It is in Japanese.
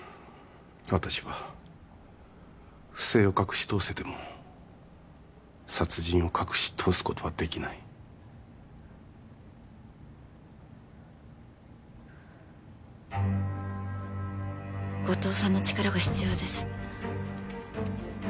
私は不正を隠し通せても殺人を隠し通すことはできない後藤さんの力が必要です